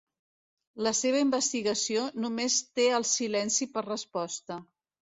La seva investigació només té el silenci per resposta.